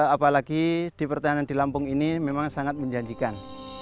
apalagi di pertanian di lampung ini memang sangat menjanjikan